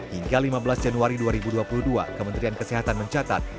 hingga lima belas januari dua ribu dua puluh dua kementerian kesehatan mencatat